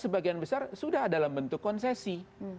sebagian besar sudah dalam bentuk konsesi